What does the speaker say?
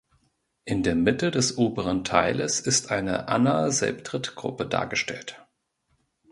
In der Mitte des oberen Teiles ist eine Anna selbdritt Gruppe dargestellt.